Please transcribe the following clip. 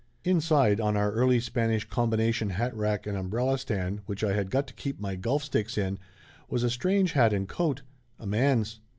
Inside, on our Early Spanish combination hatrack and umbrella stand which I had got to keep my golf sticks in, was a strange hat and coat a man's.